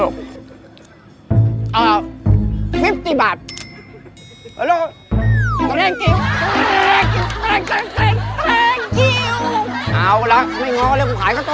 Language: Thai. เอาล่ะไม่ง้อก็เรียกของขายข้าตนได้